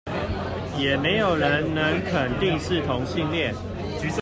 也沒有人能肯定是同性戀